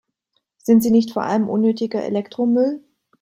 Sind sie nicht vor allem unnötiger Elektromüll?